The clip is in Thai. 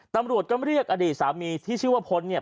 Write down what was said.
ตำรวจก็เรียกอดีตสามีที่ชื่อว่าพ้นเนี่ย